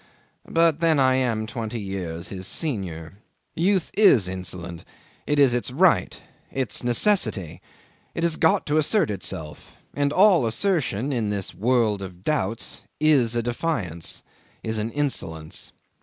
But then I am twenty years his senior. Youth is insolent; it is its right its necessity; it has got to assert itself, and all assertion in this world of doubts is a defiance, is an insolence.